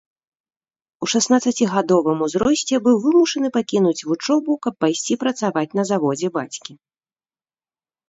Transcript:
У шаснаццацігадовым узросце быў вымушаны пакінуць вучобу, каб пайсці працаваць на заводзе бацькі.